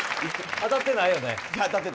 当たってないよね？